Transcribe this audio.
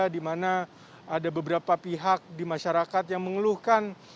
di mana ada beberapa pihak di masyarakat yang mengeluhkan